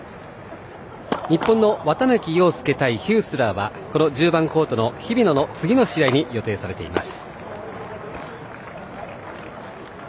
日本の綿貫陽介対ヒュースラーはこの１０番コートの日比野の次の試合に予定されています。